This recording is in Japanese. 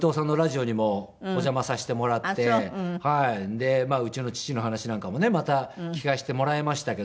でうちの父の話なんかもねまた聞かせてもらいましたけど。